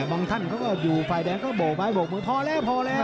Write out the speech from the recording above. บางท่านก็อยู่ไฟแดงก็โบกไปโบกมือพอแล้วพอแล้ว